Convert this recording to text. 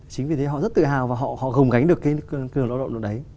chính vì thế họ rất tự hào và họ gồng gánh được cái cường lao động lúc đấy